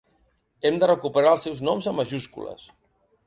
Hem de recuperar els seus noms amb majúscules.